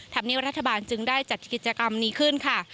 ธรรมเนียบรัฐบาลจึงได้จัดกิจกรรมนี้ขึ้นค่ะ